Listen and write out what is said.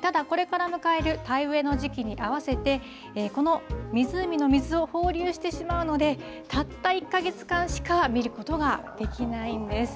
ただ、これから迎える田植えの時期に合わせてこの湖の水を放流してしまうのでたった１か月間しか見ることができないんです。